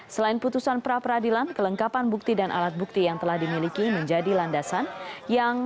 selain putusan pra peradilan kelengkapan bukti dan alat bukti yang telah dimiliki menjadi landasan yang